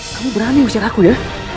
kamu berani ngucar aku ya